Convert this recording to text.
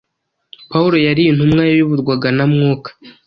Pawulo yari intumwa yayoborwaga na Mwuka.